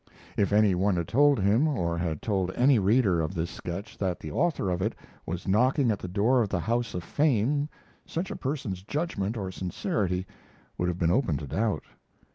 If any one had told him, or had told any reader of this sketch, that the author of it was knocking at the door of the house of fame such a person's judgment or sincerity would have been open to doubt.